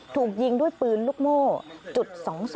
ถูกยิงด้วยปืนลูกโม่จุด๒๒